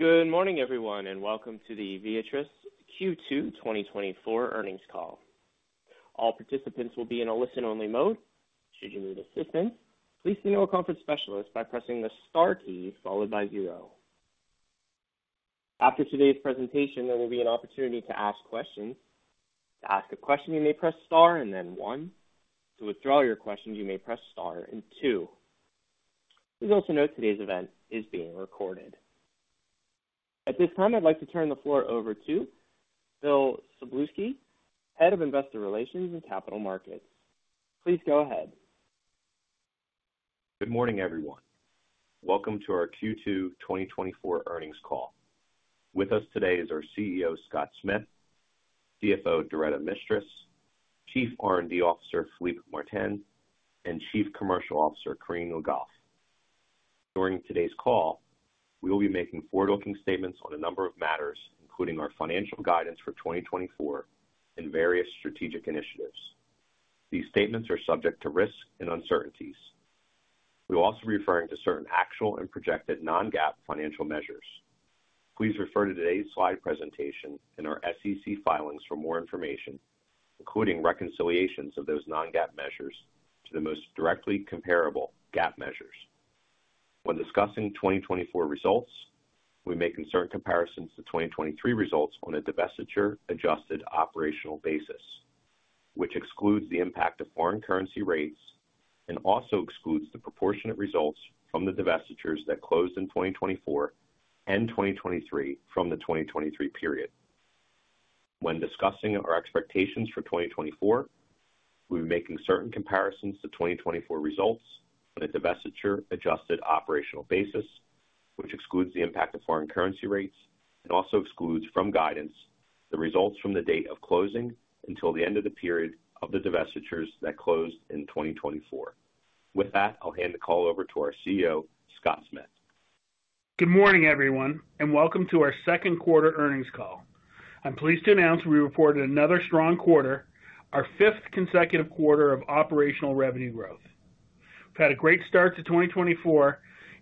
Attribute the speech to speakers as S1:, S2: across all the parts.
S1: Good morning, everyone, and welcome to the Viatris Q2 2024 Earnings Call. All participants will be in a listen-only mode. Should you need assistance, please see our conference specialist by pressing the Star key followed by zero. After today's presentation, there will be an opportunity to ask questions. To ask a question, you may press Star and then one. To withdraw your question, you may press Star and two. Please also note today's event is being recorded. At this time, I'd like to turn the floor over to Bill Szablewski, Head of Investor Relations and Capital Markets. Please go ahead.
S2: Good morning, everyone. Welcome to our Q2 2024 Earnings Call. With us today is our CEO, Scott Smith, CFO, Doretta Mistras, Chief R&D Officer, Philippe Martin, and Chief Commercial Officer, Corinne Le Goff. During today's call, we will be making forward-looking statements on a number of matters, including our financial guidance for 2024 and various strategic initiatives. These statements are subject to risks and uncertainties. We'll also be referring to certain actual and projected non-GAAP financial measures. Please refer to today's slide presentation and our SEC filings for more information, including reconciliations of those non-GAAP measures to the most directly comparable GAAP measures. When discussing 2024 results, we're making certain comparisons to 2023 results on a divestiture-adjusted operational basis, which excludes the impact of foreign currency rates and also excludes the proportionate results from the divestitures that closed in 2024 and 2023 from the 2023 period. When discussing our expectations for 2024, we'll be making certain comparisons to 2024 results on a divestiture-adjusted operational basis, which excludes the impact of foreign currency rates and also excludes from guidance the results from the date of closing until the end of the period of the divestitures that closed in 2024. With that, I'll hand the call over to our CEO, Scott Smith.
S3: Good morning, everyone, and welcome to our second quarter earnings call. I'm pleased to announce we reported another strong quarter, our fifth consecutive quarter of operational revenue growth. We've had a great start to 2024,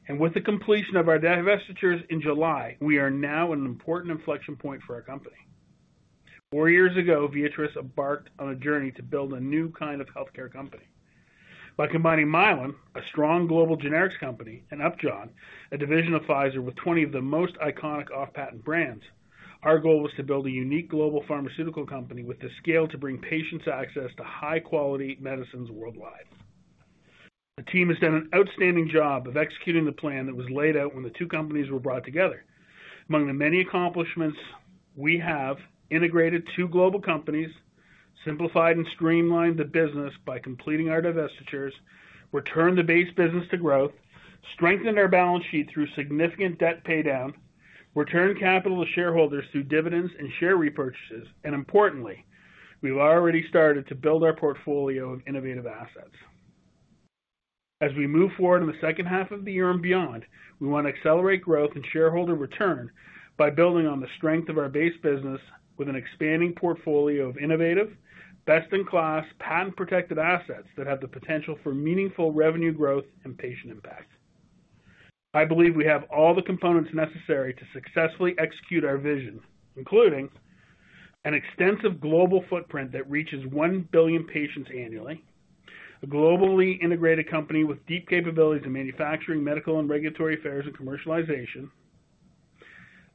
S3: and with the completion of our divestitures in July, we are now at an important inflection point for our company. Four years ago, Viatris embarked on a journey to build a new kind of healthcare company. By combining Mylan, a strong global generics company, and Upjohn, a division of Pfizer with 20 of the most iconic off-patent brands, our goal was to build a unique global pharmaceutical company with the scale to bring patients access to high-quality medicines worldwide. The team has done an outstanding job of executing the plan that was laid out when the two companies were brought together. Among the many accomplishments, we have integrated two global companies, simplified and streamlined the business by completing our divestitures, returned the base business to growth, strengthened our balance sheet through significant debt paydown, returned capital to shareholders through dividends and share repurchases, and importantly, we've already started to build our portfolio of innovative assets. As we move forward in the second half of the year and beyond, we want to accelerate growth and shareholder return by building on the strength of our base business with an expanding portfolio of innovative, best-in-class, patent-protected assets that have the potential for meaningful revenue growth and patient impact. I believe we have all the components necessary to successfully execute our vision, including an extensive global footprint that reaches 1 billion patients annually. A globally integrated company with deep capabilities in manufacturing, medical and regulatory affairs, and commercialization.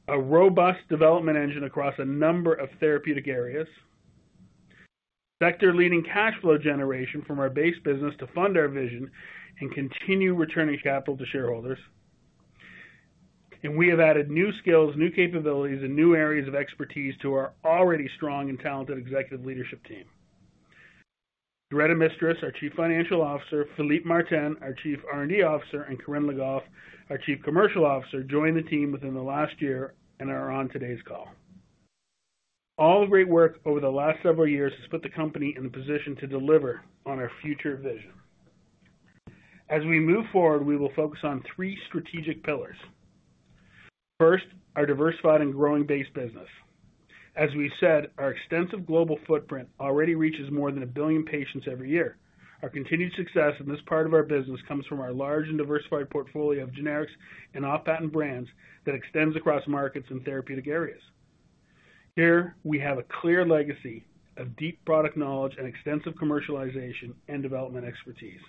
S3: A robust development engine across a number of therapeutic areas. Sector-leading cash flow generation from our base business to fund our vision and continue returning capital to shareholders. We have added new skills, new capabilities, and new areas of expertise to our already strong and talented executive leadership team. Doretta Mistras, our Chief Financial Officer, Philippe Martin, our Chief R&D Officer, and Corinne Le Goff, our Chief Commercial Officer, joined the team within the last year and are on today's call. All the great work over the last several years has put the company in a position to deliver on our future vision. As we move forward, we will focus on three strategic pillars. First, our diversified and growing base business. As we said, our extensive global footprint already reaches more than a billion patients every year. Our continued success in this part of our business comes from our large and diversified portfolio of generics and off-patent brands that extends across markets and therapeutic areas. Here, we have a clear legacy of deep product knowledge and extensive commercialization and development expertise.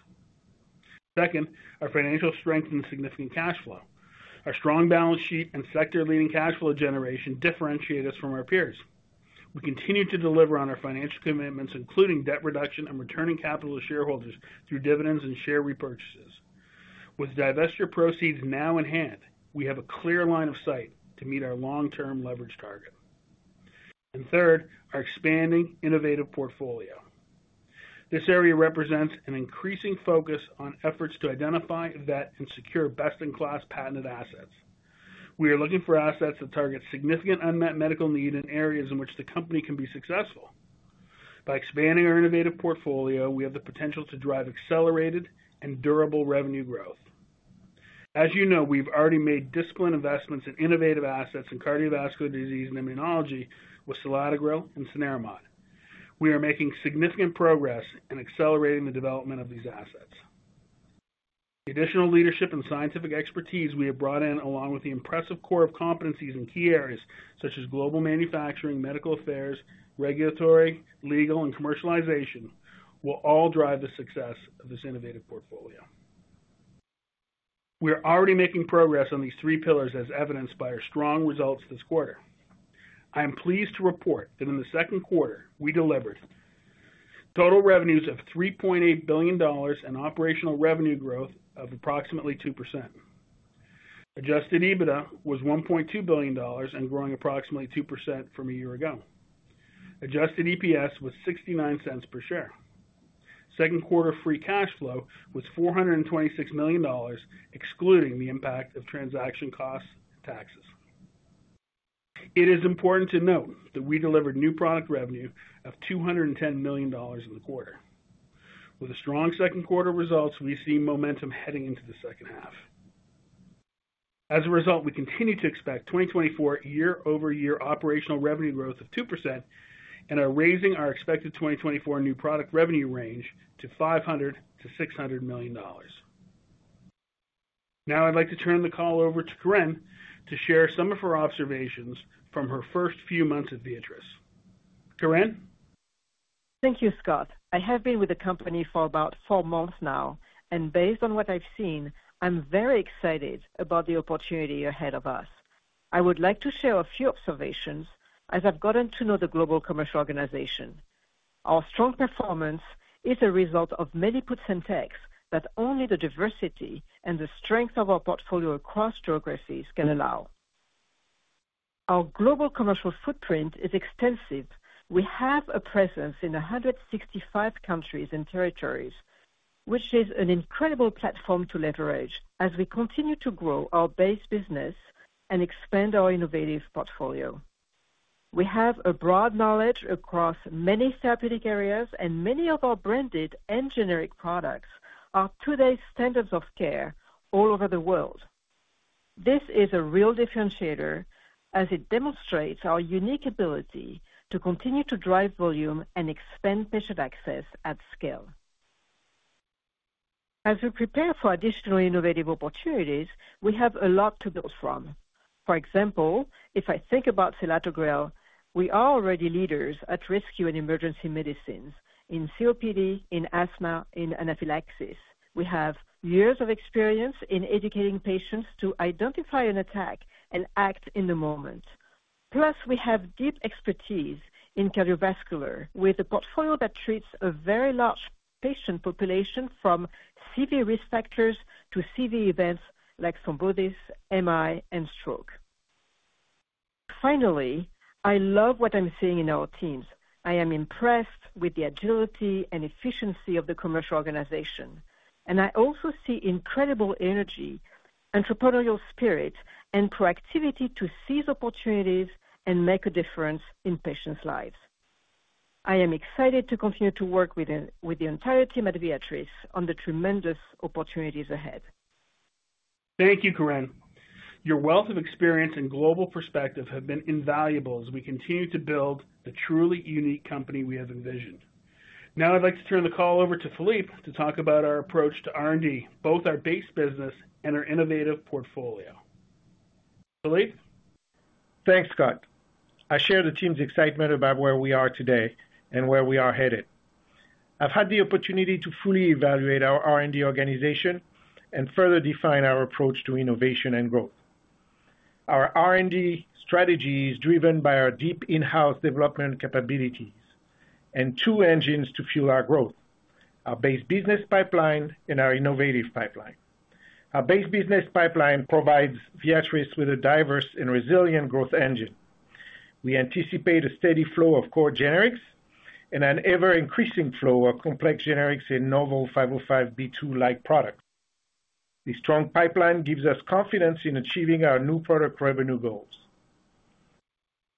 S3: Second, our financial strength and significant cash flow. Our strong balance sheet and sector-leading cash flow generation differentiate us from our peers. We continue to deliver on our financial commitments, including debt reduction and returning capital to shareholders through dividends and share repurchases. With divestiture proceeds now in hand, we have a clear line of sight to meet our long-term leverage target. Third, our expanding innovative portfolio. This area represents an increasing focus on efforts to identify, vet, and secure best-in-class patented assets. We are looking for assets that target significant unmet medical need in areas in which the company can be successful. By expanding our innovative portfolio, we have the potential to drive accelerated and durable revenue growth. As you know, we've already made disciplined investments in innovative assets in cardiovascular disease and immunology with Selatogrel and Cenerimod. We are making significant progress in accelerating the development of these assets. The additional leadership and scientific expertise we have brought in, along with the impressive core of competencies in key areas such as global manufacturing, medical affairs, regulatory, legal, and commercialization, will all drive the success of this innovative portfolio. We are already making progress on these three pillars, as evidenced by our strong results this quarter. I am pleased to report that in the second quarter, we delivered total revenues of $3.8 billion and operational revenue growth of approximately 2%. Adjusted EBITDA was $1.2 billion and growing approximately 2% from a year ago. Adjusted EPS was $0.69 per share. Second quarter free cash flow was $426 million, excluding the impact of transaction costs and taxes. It is important to note that we delivered new product revenue of $210 million in the quarter. With the strong second quarter results, we see momentum heading into the second half. As a result, we continue to expect 2024 year-over-year operational revenue growth of 2% and are raising our expected 2024 new product revenue range to $500 million-$600 million. Now, I'd like to turn the call over to Corinne to share some of her observations from her first few months at Viatris. Corinne?
S4: Thank you, Scott. I have been with the company for about four months now, and based on what I've seen, I'm very excited about the opportunity ahead of us. I would like to share a few observations as I've gotten to know the global commercial organization. Our strong performance is a result of many puts and takes that only the diversity and the strength of our portfolio across geographies can allow. Our global commercial footprint is extensive. We have a presence in 165 countries and territories, which is an incredible platform to leverage as we continue to grow our base business and expand our innovative portfolio. We have a broad knowledge across many therapeutic areas, and many of our branded and generic products are today's standards of care all over the world. This is a real differentiator as it demonstrates our unique ability to continue to drive volume and expand patient access at scale. As we prepare for additional innovative opportunities, we have a lot to build from. For example, if I think about Selatogrel, we are already leaders at risk in emergency medicines, in COPD, in asthma, in anaphylaxis. We have years of experience in educating patients to identify an attack and act in the moment. Plus, we have deep expertise in cardiovascular, with a portfolio that treats a very large patient population from CV risk factors to CV events like thrombosis, MI, and stroke. Finally, I love what I'm seeing in our teams. I am impressed with the agility and efficiency of the commercial organization, and I also see incredible energy, entrepreneurial spirit, and proactivity to seize opportunities and make a difference in patients' lives. I am excited to continue to work with the entire team at Viatris on the tremendous opportunities ahead.
S3: Thank you, Corinne. Your wealth of experience and global perspective have been invaluable as we continue to build the truly unique company we have envisioned. Now, I'd like to turn the call over to Philippe to talk about our approach to R&D, both our base business and our innovative portfolio. Philippe?
S5: Thanks, Scott. I share the team's excitement about where we are today and where we are headed. I've had the opportunity to fully evaluate our R&D organization and further define our approach to innovation and growth. Our R&D strategy is driven by our deep in-house development capabilities and two engines to fuel our growth, our base business pipeline and our innovative pipeline. Our base business pipeline provides Viatris with a diverse and resilient growth engine. We anticipate a steady flow of core generics and an ever-increasing flow of complex generics in novel 505(b)(2)-like products. The strong pipeline gives us confidence in achieving our new product revenue goals.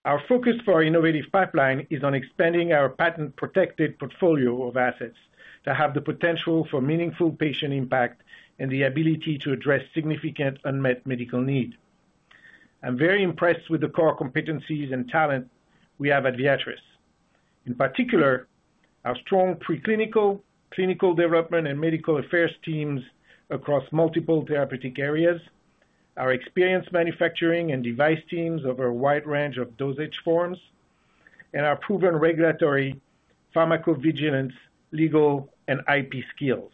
S5: Our focus for our innovative pipeline is on expanding our patent-protected portfolio of assets that have the potential for meaningful patient impact and the ability to address significant unmet medical need. I'm very impressed with the core competencies and talent we have at Viatris. In particular, our strong preclinical, clinical development, and medical affairs teams across multiple therapeutic areas, our experienced manufacturing and device teams over a wide range of dosage forms, and our proven regulatory pharmacovigilance, legal, and IP skills.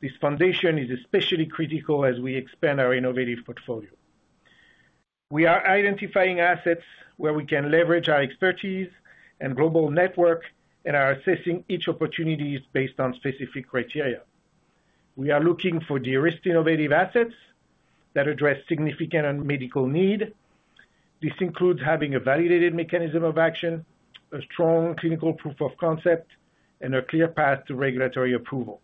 S5: This foundation is especially critical as we expand our innovative portfolio. We are identifying assets where we can leverage our expertise and global network and are assessing each opportunities based on specific criteria. We are looking for de-risked innovative assets that address significant unmet medical need. This includes having a validated mechanism of action, a strong clinical proof of concept, and a clear path to regulatory approval.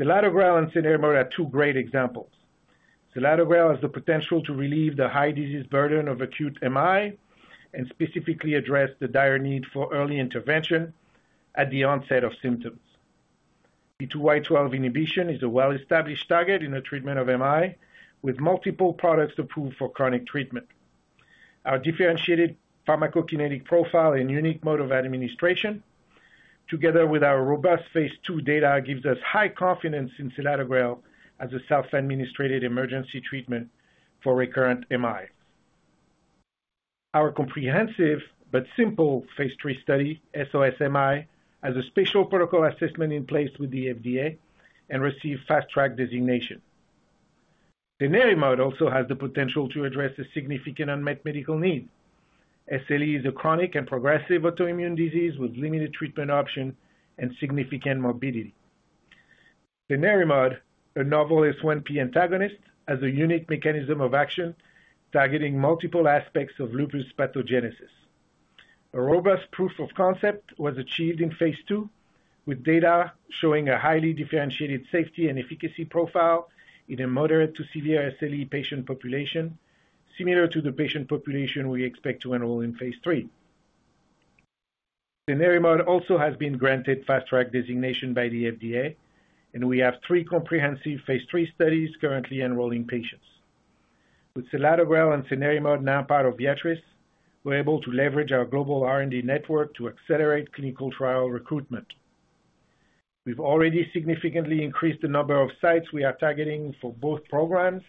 S5: Selatogrel and Cenerimod are two great examples. Selatogrel has the potential to relieve the high disease burden of acute MI and specifically address the dire need for early intervention at the onset of symptoms. P2Y12 inhibition is a well-established target in the treatment of MI, with multiple products approved for chronic treatment. Our differentiated pharmacokinetic profile and unique mode of administration, together with our robust phase II data, gives us high confidence in Selatogrel as a self-administered emergency treatment for recurrent MI. Our comprehensive but simple phase III study, SOS-AMI, has a special protocol assessment in place with the FDA and received Fast Track designation. Cenerimod also has the potential to address a significant unmet medical need. SLE is a chronic and progressive autoimmune disease with limited treatment options and significant morbidity. Cenerimod, a novel S1P antagonist, has a unique mechanism of action, targeting multiple aspects of lupus pathogenesis. A robust proof of concept was achieved in phase II, with data showing a highly differentiated safety and efficacy profile in a moderate to severe SLE patient population, similar to the patient population we expect to enroll in phase III. Cenerimod also has been granted Fast Track designation by the FDA, and we have three comprehensive phase III studies currently enrolling patients. With selatogrel and Cenerimod now part of Viatris, we're able to leverage our global R&D network to accelerate clinical trial recruitment. We've already significantly increased the number of sites we are targeting for both programs,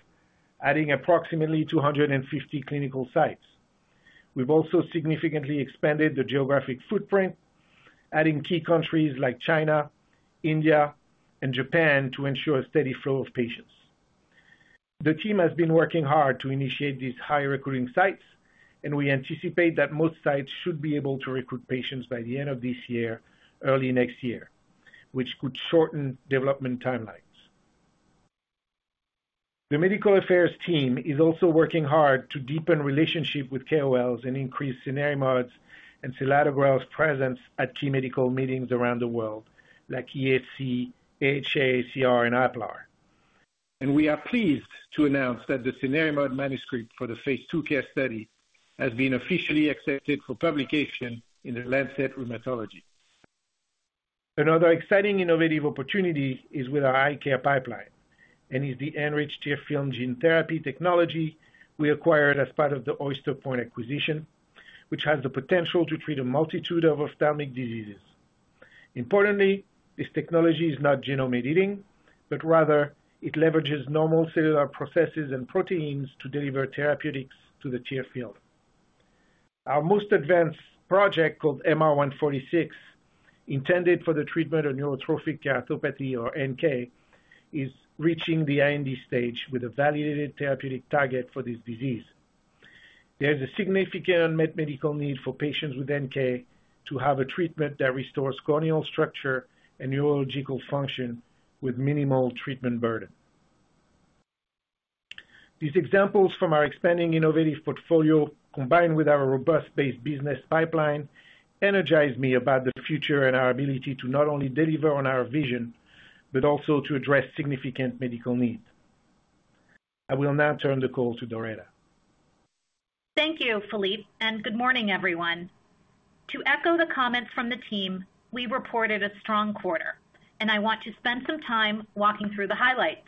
S5: adding approximately 250 clinical sites. We've also significantly expanded the geographic footprint, adding key countries like China, India, and Japan to ensure a steady flow of patients. The team has been working hard to initiate these high-recruiting sites, and we anticipate that most sites should be able to recruit patients by the end of this year, early next year, which could shorten development timelines. The medical affairs team is also working hard to deepen relationships with KOLs and increase Cenerimod's and Selatogrel's presence at key medical meetings around the world, like ESC, AHA, ACR and EULAR. We are pleased to announce that the Cenerimod manuscript for the Phase II CARE study has been officially accepted for publication in the Lancet Rheumatology. Another exciting innovative opportunity is with our eye care pipeline and is the enriched tear film gene therapy technology we acquired as part of the Oyster Point acquisition, which has the potential to treat a multitude of ophthalmic diseases. Importantly, this technology is not genome editing, but rather it leverages normal cellular processes and proteins to deliver therapeutics to the tear film. Our most advanced project, called MR-106, intended for the treatment of neurotrophic keratopathy, or NK, is reaching the IND stage with a validated therapeutic target for this disease. There is a significant unmet medical need for patients with NK to have a treatment that restores corneal structure and neurological function with minimal treatment burden. These examples from our expanding innovative portfolio, combined with our robust base business pipeline, energize me about the future and our ability to not only deliver on our vision, but also to address significant medical needs. I will now turn the call to Doretta.
S6: Thank you, Philippe, and Good morning, everyone. To echo the comments from the team, we reported a strong quarter, and I want to spend some time walking through the highlights.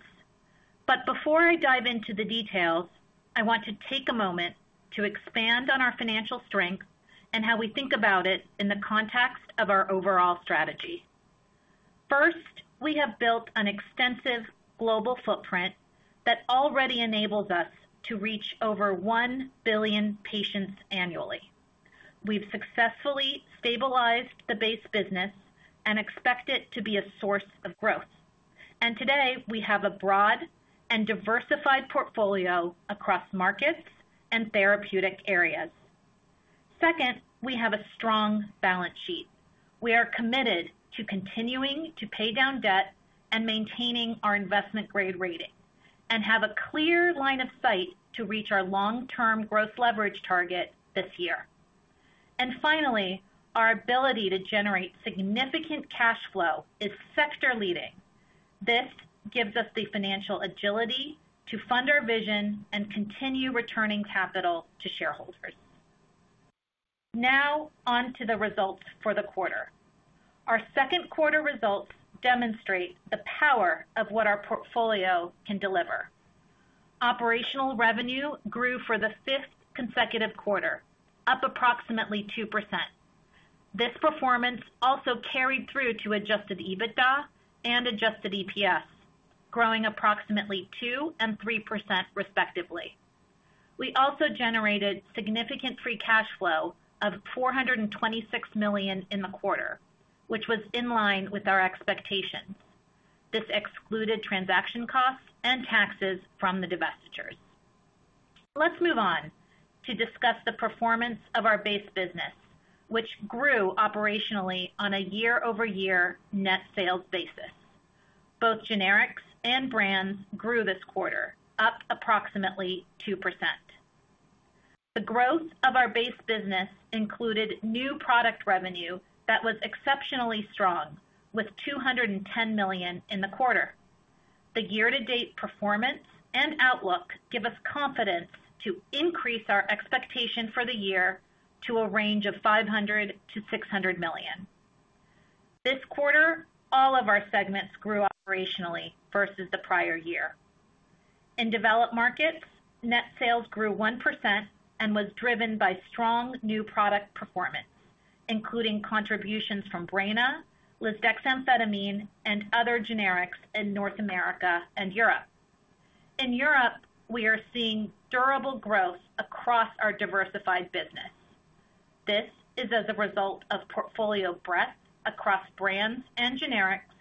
S6: But before I dive into the details, I want to take a moment to expand on our financial strength and how we think about it in the context of our overall strategy. First, we have built an extensive global footprint that already enables us to reach over 1 billion patients annually. We've successfully stabilized the base business and expect it to be a source of growth. And today, we have a broad and diversified portfolio across markets and therapeutic areas. Second, we have a strong balance sheet. We are committed to continuing to pay down debt and maintaining our investment-grade rating, and have a clear line of sight to reach our long-term growth leverage target this year. Finally, our ability to generate significant cash flow is sector-leading. This gives us the financial agility to fund our vision and continue returning capital to shareholders. Now, on to the results for the quarter. Our second quarter results demonstrate the power of what our portfolio can deliver. Operational revenue grew for the fifth consecutive quarter, up approximately 2%. This performance also carried through to adjusted EBITDA and adjusted EPS, growing approximately 2% and 3% respectively. We also generated significant free cash flow of $426 million in the quarter, which was in line with our expectations. This excluded transaction costs and taxes from the divestitures. Let's move on to discuss the performance of our base business, which grew operationally on a year-over-year net sales basis. Both generics and brands grew this quarter, up approximately 2%. The growth of our base business included new product revenue that was exceptionally strong, with $210 million in the quarter. The year-to-date performance and outlook give us confidence to increase our expectation for the year to a range of $500 million-$600 million. This quarter, all of our segments grew operationally versus the prior year. In developed markets, net sales grew 1% and was driven by strong new product performance, including contributions from Breyna, Lisdexamfetamine, and other generics in North America and Europe. In Europe, we are seeing durable growth across our diversified business. This is as a result of portfolio breadth across brands and generics,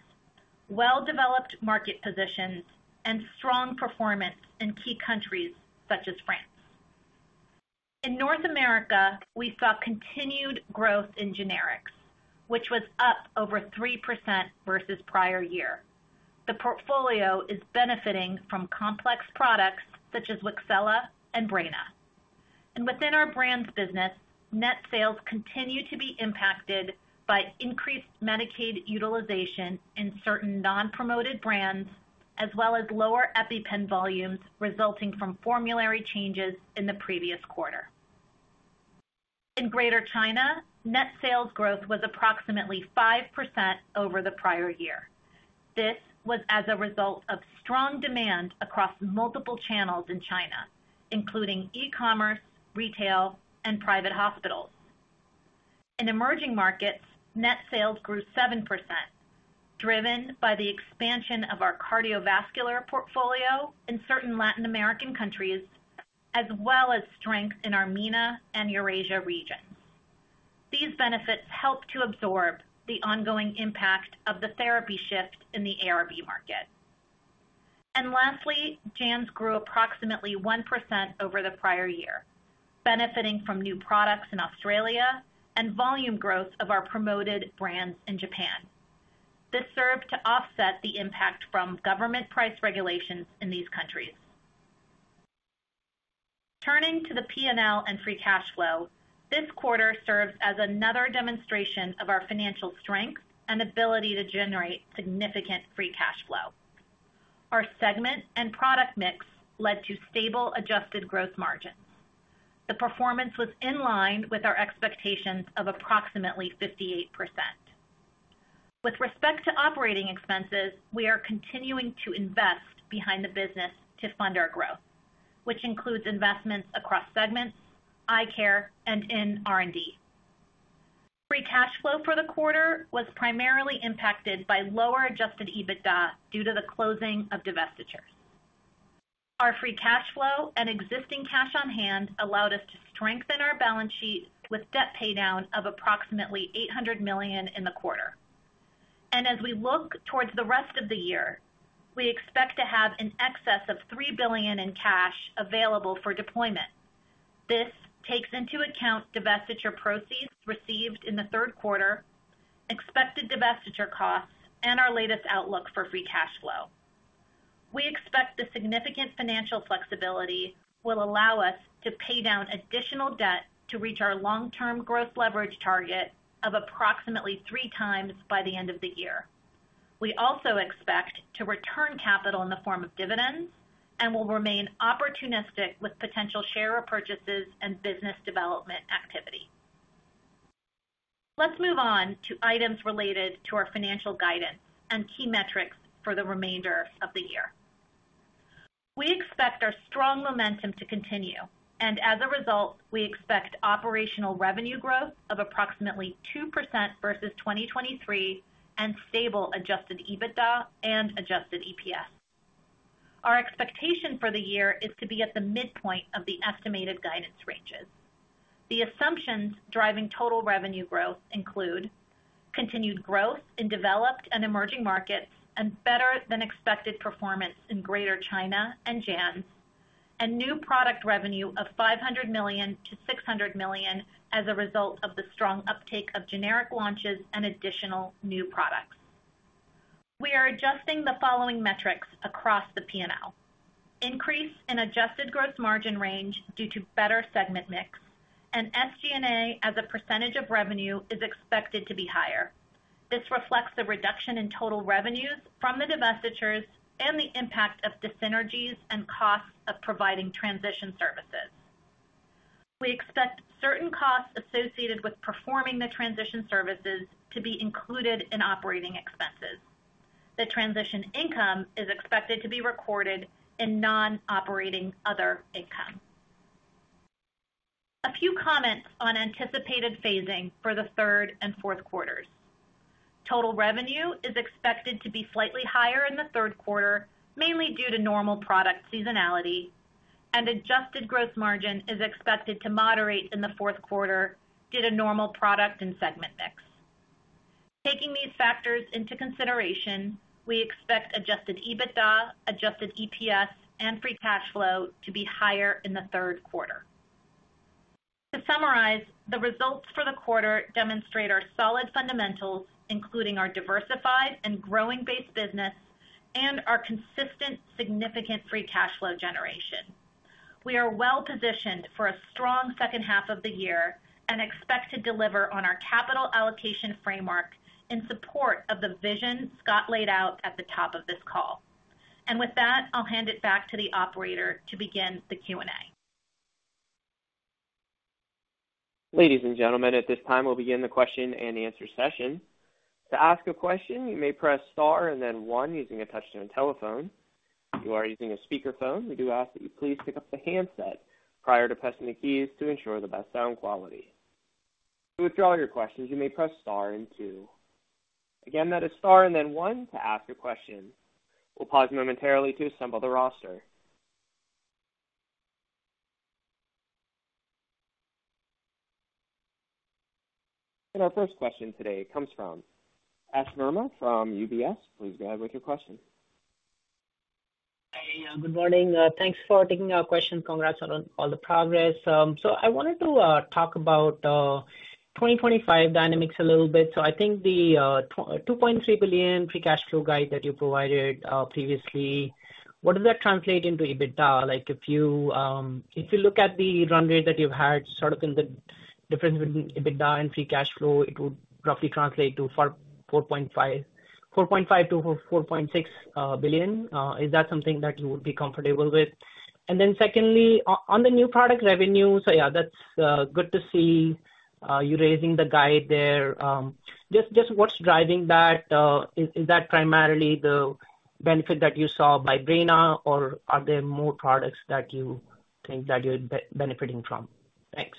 S6: well-developed market positions, and strong performance in key countries such as France. In North America, we saw continued growth in generics, which was up over 3% versus prior year. The portfolio is benefiting from complex products such as Wixela and Breyna. Within our brands business, net sales continue to be impacted by increased Medicaid utilization in certain non-promoted brands, as well as lower EpiPen volumes resulting from formulary changes in the previous quarter. In Greater China, net sales growth was approximately 5% over the prior year. This was as a result of strong demand across multiple channels in China, including e-commerce, retail, and private hospitals. In emerging markets, net sales grew 7%, driven by the expansion of our cardiovascular portfolio in certain Latin American countries, as well as strength in our MENA and Eurasia regions. These benefits helped to absorb the ongoing impact of the therapy shift in the ARB market. Lastly, JANs grew approximately 1% over the prior year, benefiting from new products in Australia and volume growth of our promoted brands in Japan. This served to offset the impact from government price regulations in these countries. Turning to the P&L and free cash flow, this quarter serves as another demonstration of our financial strength and ability to generate significant free cash flow. Our segment and product mix led to stable adjusted growth margins. The performance was in line with our expectations of approximately 58%. With respect to operating expenses, we are continuing to invest behind the business to fund our growth, which includes investments across segments, eye care, and in R&D. Free cash flow for the quarter was primarily impacted by lower adjusted EBITDA due to the closing of divestitures. Our free cash flow and existing cash on hand allowed us to strengthen our balance sheet with debt paydown of approximately $800 million in the quarter. As we look toward the rest of the year, we expect to have an excess of $3 billion in cash available for deployment. This takes into account divestiture proceeds received in the third quarter, expected divestiture costs, and our latest outlook for free cash flow. We expect the significant financial flexibility will allow us to pay down additional debt to reach our long-term growth leverage target of approximately 3x by the end of the year. We also expect to return capital in the form of dividends and will remain opportunistic with potential share repurchases and business development activity. Let's move on to items related to our financial guidance and key metrics for the remainder of the year. We expect our strong momentum to continue, and as a result, we expect operational revenue growth of approximately 2% versus 2023 and stable adjusted EBITDA and adjusted EPS. Our expectation for the year is to be at the midpoint of the estimated guidance ranges. The assumptions driving total revenue growth include continued growth in developed and emerging markets, and better than expected performance in Greater China and Japan, and new product revenue of $500 million-$600 million as a result of the strong uptake of generic launches and additional new products. We are adjusting the following metrics across the P&L: increase in adjusted gross margin range due to better segment mix, and SG&A as a percentage of revenue is expected to be higher. This reflects the reduction in total revenues from the divestitures and the impact of dis-synergies and costs of providing transition services. We expect certain costs associated with performing the transition services to be included in operating expenses. The transition income is expected to be recorded in non-operating other income. A few comments on anticipated phasing for the third and fourth quarters. Total revenue is expected to be slightly higher in the third quarter, mainly due to normal product seasonality, and adjusted gross margin is expected to moderate in the fourth quarter due to normal product and segment mix. Taking these factors into consideration, we expect adjusted EBITDA, adjusted EPS, and free cash flow to be higher in the third quarter. To summarize, the results for the quarter demonstrate our solid fundamentals, including our diversified and growing base business and our consistent, significant free cash flow generation. We are well positioned for a strong second half of the year and expect to deliver on our capital allocation framework in support of the vision Scott laid out at the top of this call. With that, I'll hand it back to the operator to begin the Q&A.
S1: Ladies and gentlemen, at this time, we'll begin the question and answer session. To ask a question, you may press star and then one using a touchtone telephone. If you are using a speakerphone, we do ask that you please pick up the handset prior to pressing the keys to ensure the best sound quality. To withdraw your questions, you may press star and two. Again, that is star and then one to ask a question. We'll pause momentarily to assemble the roster. Our first question today comes from Ash Verma from UBS. Please go ahead with your question.
S7: Hi, yeah, Good morning. Thanks for taking our question. Congrats on all the progress. So I wanted to talk about 2025 dynamics a little bit. So I think the $2.3 billion free cash flow guide that you provided previously, what does that translate into EBITDA? Like, if you look at the run rate that you've had, sort of in the difference between EBITDA and free cash flow, it would roughly translate to $4.5 billion-$4.6 billion. Is that something that you would be comfortable with? And then secondly, on the new product revenue, so yeah, that's good to see you raising the guide there. Just what's driving that? Is that primarily the benefit that you saw by Breyna, or are there more products that you think that you're benefiting from? Thanks.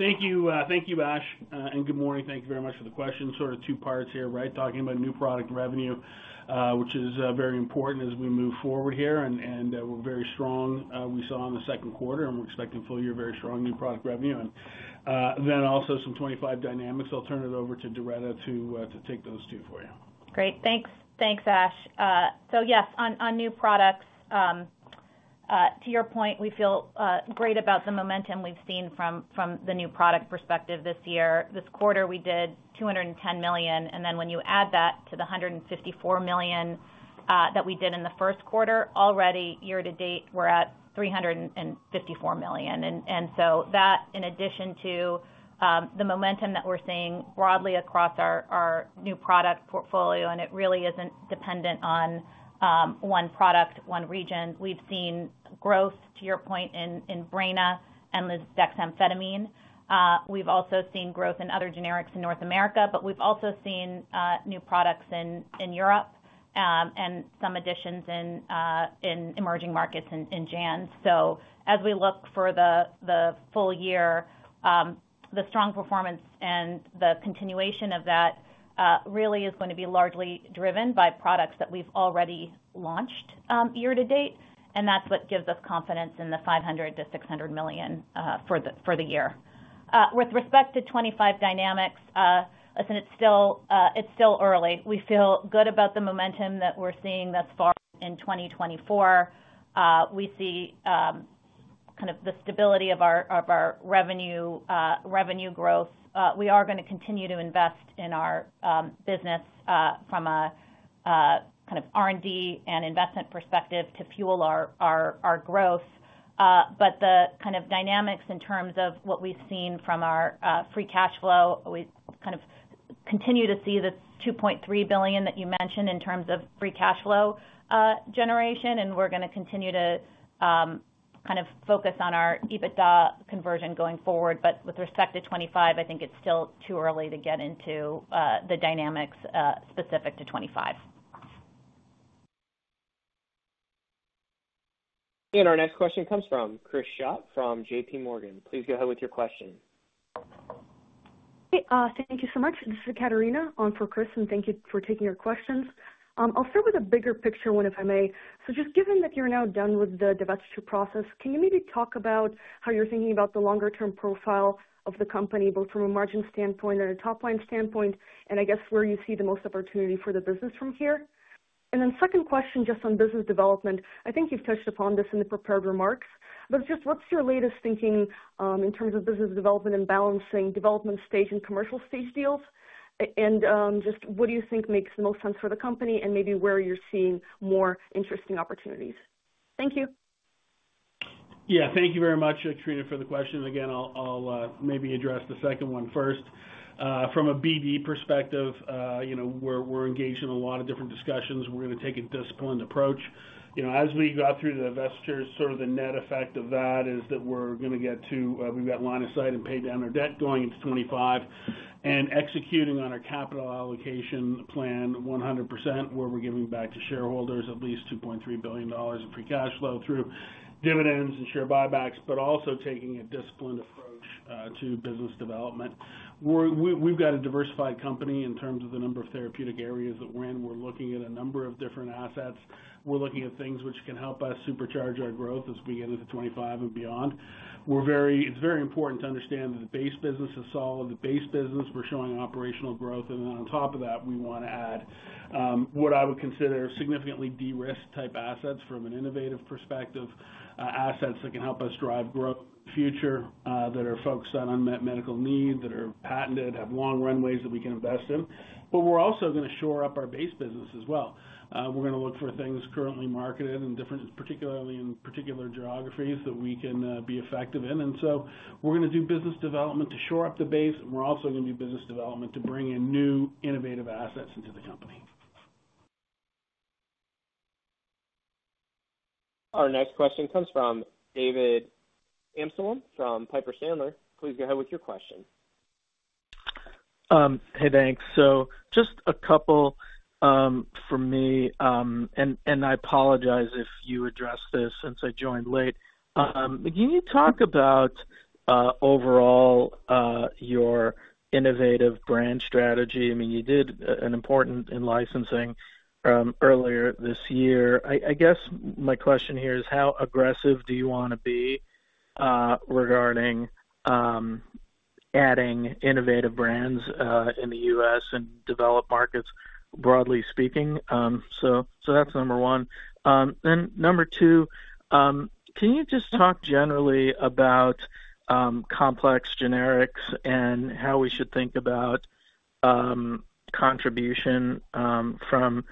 S3: Thank you, thank you, Ash, and Good morning. Thank you very much for the question. Sort of two parts here, right? Talking about new product revenue, which is, very important as we move forward here, and, and, we're very strong, we saw in the second quarter, and we're expecting full year, very strong new product revenue. And, then also some 25 dynamics. I'll turn it over to Doretta to, to take those two for you.
S6: Great. Thanks. Thanks, Ash. So yes, on, on new products, to your point, we feel, great about the momentum we've seen from, from the new product perspective this year. This quarter, we did $210 million, and then when you add that to the $154 million that we did in the first quarter, already year to date, we're at $354 million. And, and so that in addition to, the momentum that we're seeing broadly across our, our new product portfolio, and it really isn't dependent on, one product, one region. We've seen growth, to your point, in, in Breyna and lisdexamfetamine. We've also seen growth in other generics in North America, but we've also seen, new products in, in Europe, and some additions in, in emerging markets in, in JAN. So as we look for the full year, the strong performance and the continuation of that really is going to be largely driven by products that we've already launched year to date, and that's what gives us confidence in the $500 million-$600 million for the year. With respect to 2025 dynamics, listen, it's still early. We feel good about the momentum that we're seeing thus far in 2024. We see kind of the stability of our revenue growth. We are gonna continue to invest in our business from a kind of R&D and investment perspective to fuel our growth. But the kind of dynamics in terms of what we've seen from our free cash flow, we kind of continue to see the $2.3 billion that you mentioned in terms of free cash flow generation, and we're gonna continue to kind of focus on our EBITDA conversion going forward. But with respect to 2025, I think it's still too early to get into the dynamics specific to 2025.
S1: Our next question comes from Chris Schott from J.P. Morgan. Please go ahead with your question.
S8: Hey, thank you so much. This is Katarina on for Chris, and thank you for taking our questions. I'll start with a bigger picture one, if I may. So just given that you're now done with the divestiture process, can you maybe talk about how you're thinking about the longer-term profile of the company, both from a margin standpoint and a top-line standpoint, and I guess where you see the most opportunity for the business from here? And then second question, just on business development. I think you've touched upon this in the prepared remarks, but just what's your latest thinking in terms of business development and balancing development stage and commercial stage deals? And just what do you think makes the most sense for the company and maybe where you're seeing more interesting opportunities? Thank you.
S3: Yeah, thank you very much, Katarina, for the question. Again, I'll maybe address the second one first. From a BD perspective, you know, we're engaged in a lot of different discussions. We're gonna take a disciplined approach. You know, as we got through the investors, sort of the net effect of that is that we're gonna get to, we've got line of sight and pay down our debt going into 2025 and executing on our capital allocation plan 100%, where we're giving back to shareholders at least $2.3 billion in free cash flow through dividends and share buybacks, but also taking a disciplined approach to business development. We've got a diversified company in terms of the number of therapeutic areas that we're in. We're looking at a number of different assets. We're looking at things which can help us supercharge our growth as we get into 2025 and beyond. It's very important to understand that the base business is solid. The base business, we're showing operational growth, and then on top of that, we wanna add what I would consider significantly de-risked type assets from an innovative perspective, assets that can help us drive growth in the future, that are focused on unmet medical needs, that are patented, have long runways that we can invest in. But we're also gonna shore up our base business as well. We're gonna look for things currently marketed and different, particularly in particular geographies that we can be effective in. And so we're gonna do business development to shore up the base, and we're also gonna do business development to bring in new innovative assets into the company.
S1: Our next question comes from David Amsellem from Piper Sandler. Please go ahead with your question.
S9: Hey, thanks. So just a couple from me, and I apologize if you addressed this since I joined late. Can you talk about overall your innovative brand strategy? I mean, you did an important in licensing earlier this year. I guess my question here is: how aggressive do you wanna be regarding adding innovative brands in the U.S. and developed markets, broadly speaking? So that's number one. Then number two, can you just talk generally about complex generics and how we should think about contribution from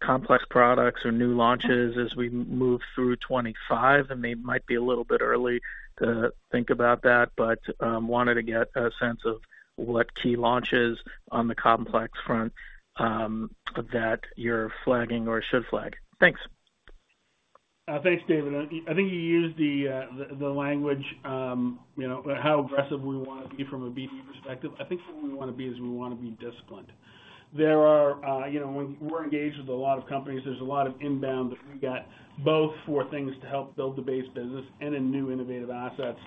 S9: complex products or new launches as we move through 25? I mean, it might be a little bit early to think about that, but, wanted to get a sense of what key launches on the complex front, that you're flagging or should flag. Thanks.
S3: Thanks, David. I think you used the language, you know, how aggressive we wanna be from a BD perspective. I think what we wanna be is we wanna be disciplined. There are, you know, we're engaged with a lot of companies. There's a lot of inbound that we got, both for things to help build the base business and in new innovative assets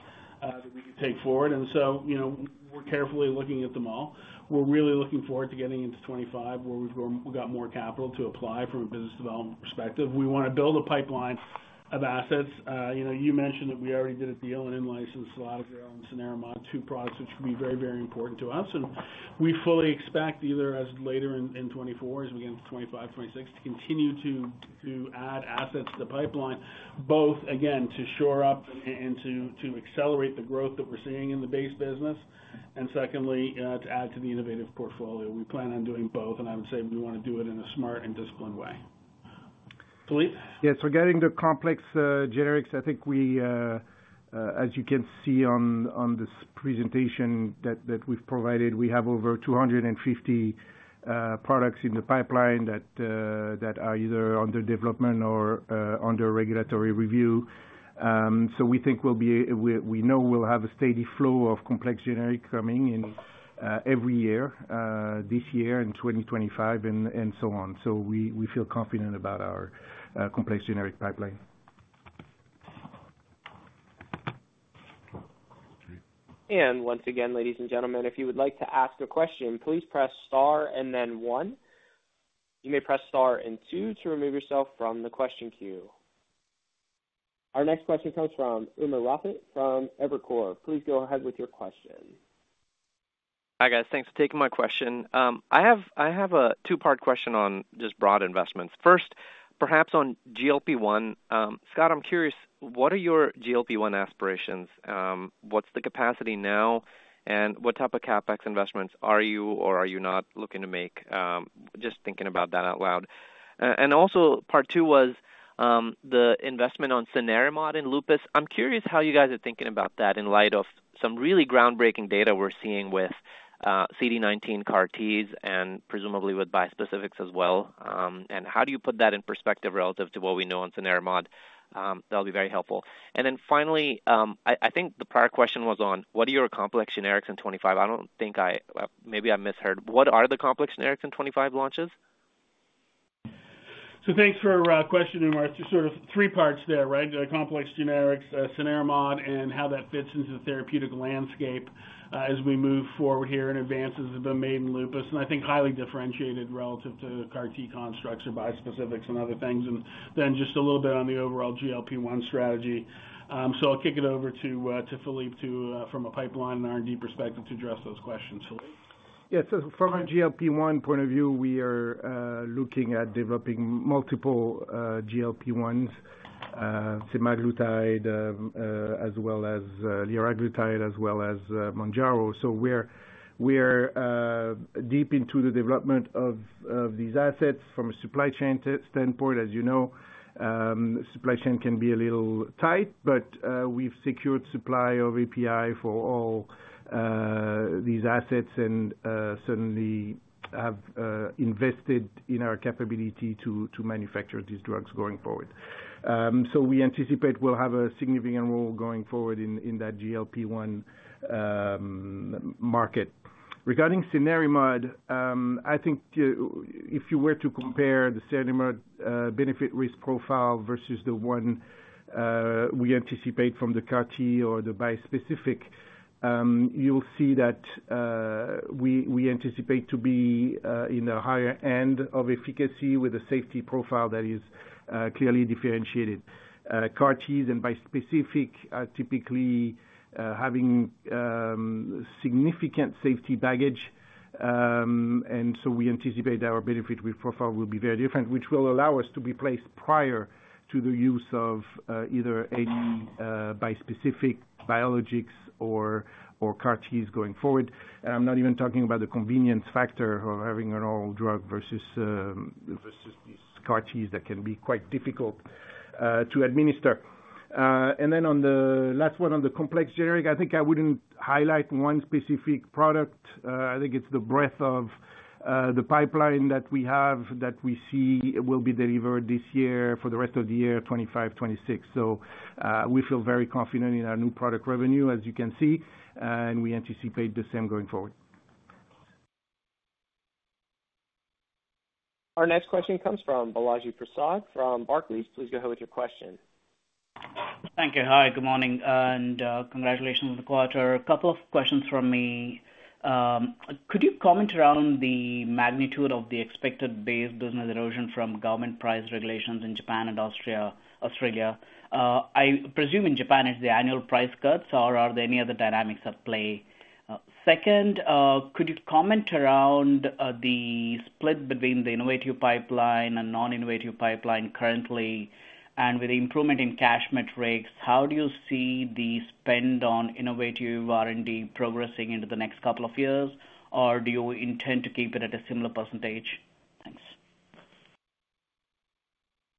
S3: that we can take forward. And so, you know, we're carefully looking at them all. We're really looking forward to getting into 2025, where we've got more capital to apply from a business development perspective. We wanna build a pipeline of assets. You know, you mentioned that we already did a deal and in-licensed a lot of their own Cenerimod-2 products, which can be very, very important to us. We fully expect either later in 2024, as we get into 2025, 2026, to continue to add assets to the pipeline, both, again, to shore up and to accelerate the growth that we're seeing in the base business, and secondly, to add to the innovative portfolio. We plan on doing both, and I would say we wanna do it in a smart and disciplined way. Philippe?
S5: Yes, regarding the complex generics, I think we, as you can see on this presentation that we've provided, we have over 250 products in the pipeline that are either under development or under regulatory review. So we know we'll have a steady flow of complex generic coming in every year, this year in 2025 and so on. So we feel confident about our complex generic pipeline.
S1: Once again, ladies and gentlemen, if you would like to ask a question, please press Star and then one. You may press Star and two to remove yourself from the question queue. Our next question comes from Umer Raffat from Evercore. Please go ahead with your question.
S10: Hi, guys. Thanks for taking my question. I have a two-part question on just broad investments. First, perhaps on GLP-1. Scott, I'm curious, what are your GLP-1 aspirations? What's the capacity now, and what type of CapEx investments are you or are you not looking to make? Just thinking about that out loud. And also part two was, the investment on Cenerimod in Lupus. I'm curious how you guys are thinking about that in light of some really groundbreaking data we're seeing with, CD19 CAR-Ts, and presumably with bispecifics as well. And how do you put that in perspective relative to what we know on Cenerimod? That'll be very helpful. And then finally, I think the prior question was on: what are your complex generics in 2025? I don't think I, maybe I misheard. What are the complex generics in 25 launches?
S3: So thanks for questioning us. Just sort of three parts there, right? The complex generics, Cenerimod, and how that fits into the therapeutic landscape, as we move forward here and advances have been made in Lupus, and I think highly differentiated relative to the CAR-T constructs or bispecifics and other things. And then just a little bit on the overall GLP-1 strategy. So I'll kick it over to to Philippe to from a pipeline and R&D perspective to address those questions. Philippe?
S5: Yeah. So from a GLP-1 point of view, we are looking at developing multiple GLP-1 semaglutide as well as liraglutide as well as Mounjaro. So we're deep into the development of these assets from a supply chain standpoint. As you know, supply chain can be a little tight, but we've secured supply of API for all these assets and certainly have invested in our capability to manufacture these drugs going forward. So we anticipate we'll have a significant role going forward in that GLP-1 market. Regarding Cenerimod, I think if you were to compare the Cenerimod benefit risk profile versus the one we anticipate from the CAR-T or the bispecific, you'll see that we anticipate to be in a higher end of efficacy with a safety profile that is clearly differentiated. CAR-Ts and bispecific are typically having significant safety baggage, and so we anticipate our benefit with profile will be very different, which will allow us to be placed prior to the use of either a bispecific biologics or CAR-Ts going forward. And I'm not even talking about the convenience factor of having an oral drug versus these CAR-Ts that can be quite difficult to administer. And then on the last one, on the complex generic, I think I wouldn't highlight one specific product. I think it's the breadth of the pipeline that we have that we see will be delivered this year for the rest of the year, 2025, 2026. So, we feel very confident in our new product revenue, as you can see, and we anticipate the same going forward.
S1: Our next question comes from Balaji Prasad from Barclays. Please go ahead with your question.
S11: Thank you. Hi, Good morning, and congratulations on the quarter. A couple of questions from me. Could you comment around the magnitude of the expected base business erosion from government price regulations in Japan and Australia? I presume in Japan, it's the annual price cuts, or are there any other dynamics at play? Second, could you comment around the split between the innovative pipeline and non-innovative pipeline currently? And with the improvement in cash metrics, how do you see the spend on innovative R&D progressing into the next couple of years, or do you intend to keep it at a similar percentage?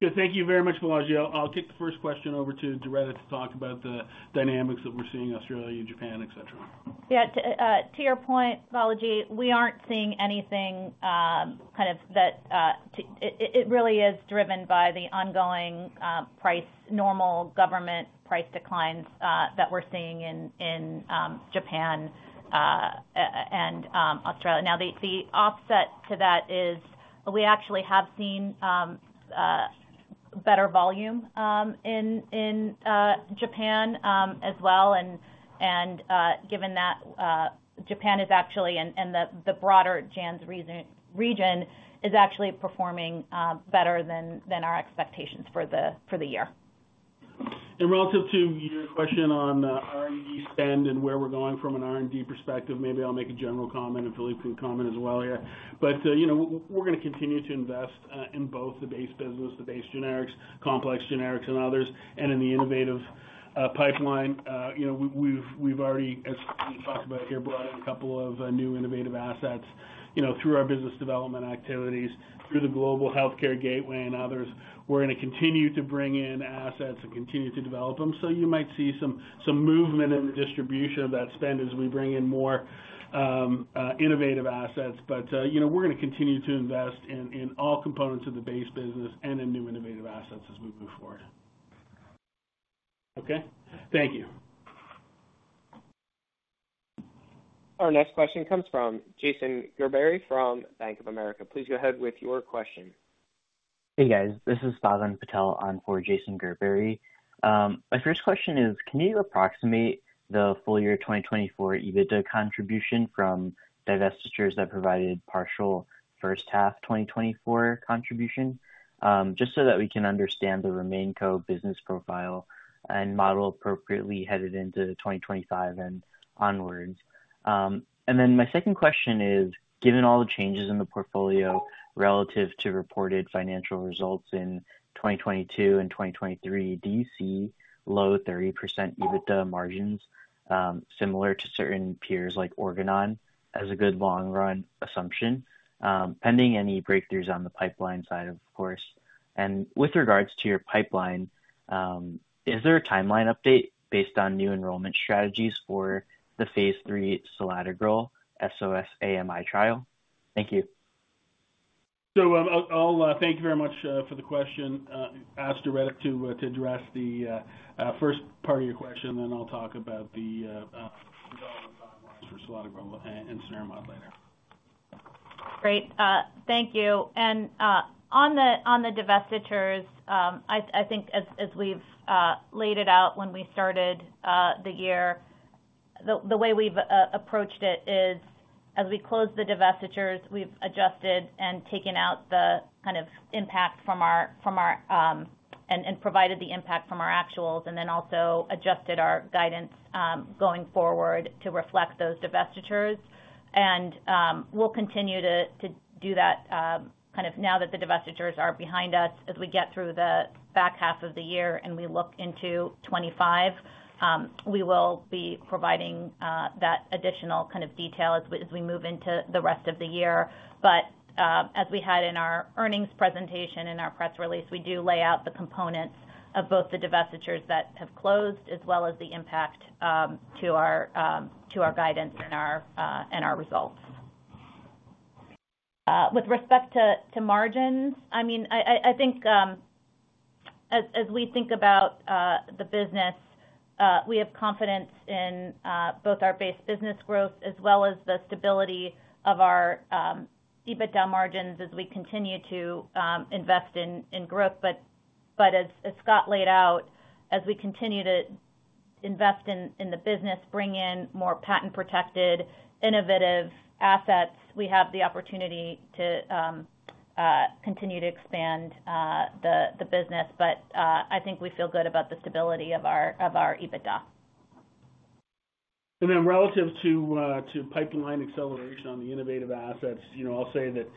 S11: Thanks.
S3: Yeah, thank you very much, Balaji. I'll take the first question over to Doretta to talk about the dynamics that we're seeing in Australia and Japan, et cetera.
S6: Yeah, to your point, Balaji, we aren't seeing anything kind of that to. It really is driven by the ongoing price-normal government price declines that we're seeing in Japan and Australia. Now, the offset to that is we actually have seen better volume in Japan as well, and given that Japan is actually and the broader JANs region is actually performing better than our expectations for the year.
S3: And relative to your question on R&D spend and where we're going from an R&D perspective, maybe I'll make a general comment, and Philippe can comment as well here. But you know, we're gonna continue to invest in both the base business, the base generics, complex generics and others, and in the innovative pipeline. You know, we've already, as we talked about here, brought in a couple of new innovative assets, you know, through our business development activities, through the Global Healthcare Gateway and others. We're gonna continue to bring in assets and continue to develop them. So you might see some movement in the distribution of that spend as we bring in more innovative assets. But, you know, we're gonna continue to invest in, in all components of the base business and in new innovative assets as we move forward. Okay? Thank you.
S1: Our next question comes from Jason Gerberry from Bank of America. Please go ahead with your question.
S12: Hey, guys. This is Shalin Patel on for Jason Gerberry. My first question is, can you approximate the full year 2024 EBITDA contribution from divestitures that provided partial first half 2024 contribution? Just so that we can understand the RemainCo business profile and model appropriately headed into 2025 and onwards. And then my second question is, given all the changes in the portfolio relative to reported financial results in 2022 and 2023, do you see low 30% EBITDA margins, similar to certain peers like Organon, as a good long run assumption, pending any breakthroughs on the pipeline side, of course? And with regards to your pipeline, is there a timeline update based on new enrollment strategies for the phase III Selatogrel SOS-AMI trial? Thank you.
S3: So, I'll thank you very much for the question. Ask Doretta to address the first part of your question, and then I'll talk about the development timelines for Selatogrel and Cenerimod later.
S6: Great. Thank you. And, on the divestitures, I think as we've laid it out when we started the year, the way we've approached it is, as we closed the divestitures, we've adjusted and taken out the kind of impact from our, and, provided the impact from our actuals, and then also adjusted our guidance going forward to reflect those divestitures. And, we'll continue to do that kind of now that the divestitures are behind us, as we get through the back half of the year, and we look into 2025, we will be providing that additional kind of detail as we move into the rest of the year. But, as we had in our earnings presentation and our press release, we do lay out the components of both the divestitures that have closed, as well as the impact, to our guidance and our results. With respect to margins, I mean, I think, as we think about the business, we have confidence in both our base business growth as well as the stability of our EBITDA margins as we continue to invest in growth. But, as Scott laid out, as we continue to invest in the business, bring in more patent-protected, innovative assets, we have the opportunity to continue to expand the business. But, I think we feel good about the stability of our EBITDA.
S3: And then relative to pipeline acceleration on the innovative assets, you know, I'll say that,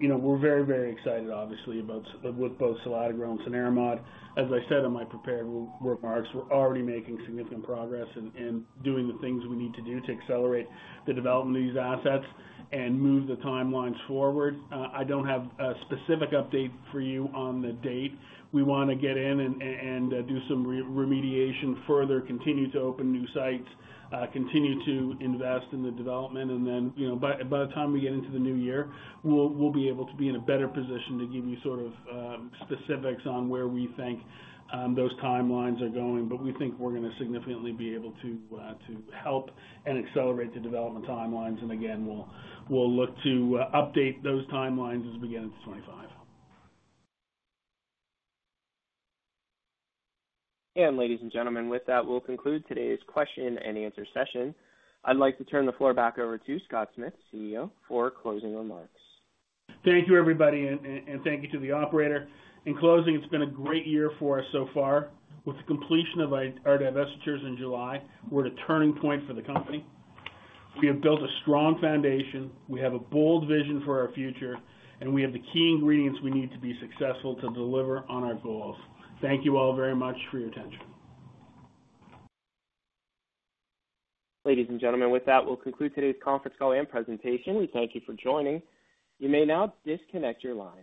S3: you know, we're very, very excited, obviously, about with both Selatogrel and Cenerimod. As I said in my prepared remarks, we're already making significant progress in doing the things we need to do to accelerate the development of these assets and move the timelines forward. I don't have a specific update for you on the date. We wanna get in and do some remediation, further, continue to open new sites, continue to invest in the development. And then, you know, by the time we get into the new year, we'll be able to be in a better position to give you sort of specifics on where we think those timelines are going. But we think we're gonna significantly be able to help and accelerate the development timelines. And again, we'll look to update those timelines as we get into 2025.
S1: Ladies and gentlemen, with that, we'll conclude today's question and answer session. I'd like to turn the floor back over to Scott Smith, CEO, for closing remarks.
S3: Thank you, everybody, and thank you to the operator. In closing, it's been a great year for us so far. With the completion of our divestitures in July, we're at a turning point for the company. We have built a strong foundation, we have a bold vision for our future, and we have the key ingredients we need to be successful to deliver on our goals. Thank you all very much for your attention.
S1: Ladies and gentlemen, with that, we'll conclude today's conference call and presentation. We thank you for joining. You may now disconnect your line.